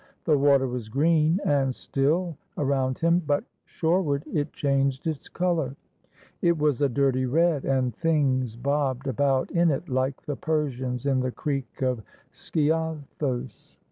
The water was green and still around him, but shoreward it changed its color. It was a dirty red, and 95 GREECE things bobbed about in it like the Persians in the creek of Sciathos.